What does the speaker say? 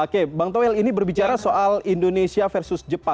oke bang tawel ini berbicara soal indonesia versus jepang